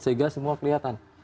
sehingga semua kelihatan